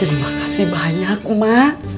terima kasih banyak mak